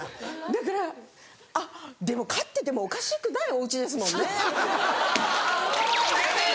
だから「あっでも飼っててもおかしくないおうちですもんね」。